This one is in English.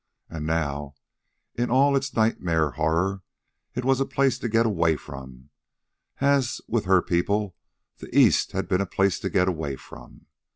And now, in all its nightmare horror, it was a place to get away from, as with her people the East had been a place to get away from.